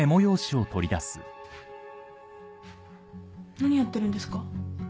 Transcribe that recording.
何やってるんですか？